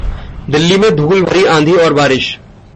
दिल्ली में धूल भरी आंधी और बारिश